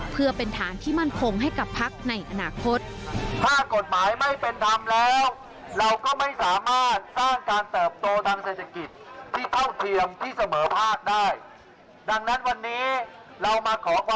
เพื่อเป็นฐานที่มั่นคงให้กับพักในอนาคต